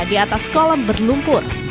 di atas kolam berlumpur